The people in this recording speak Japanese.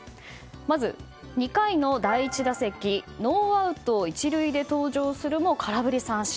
まず２回の第１打席ノーアウト１塁で登場するも空振り三振。